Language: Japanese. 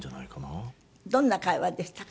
どんな会話でしたか？